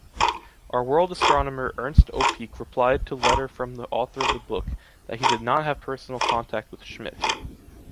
Our world astronomer Ernst Öpik replied to letter from the author of the book, that he did not have personal contact with Schmidt.